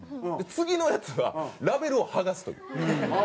次のヤツはラベルを剥がすという。